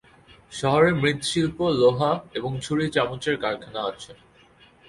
শহরে মৃৎশিল্প, লোহা এবং ছুরি-চামচের কারখানা আছে।